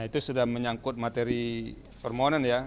itu sudah menyangkut materi permohonan ya